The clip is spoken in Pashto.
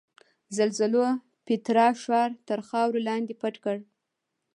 زلزلو پیترا ښار تر خاورو لاندې پټ کړ.